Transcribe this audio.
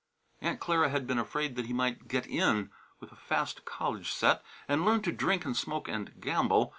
Aunt Clara had been afraid that he might "get in" with a fast college set and learn to drink and smoke and gamble.